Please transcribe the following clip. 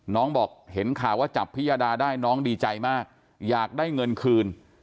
บอกเห็นข่าวว่าจับพิยดาได้น้องดีใจมากอยากได้เงินคืน